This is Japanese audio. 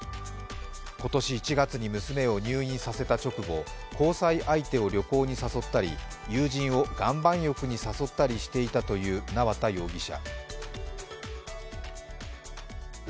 今年１月に娘を入院させた直後交際相手を旅行に誘ったり友人を岩盤浴に誘ったりしていたという縄田容疑者。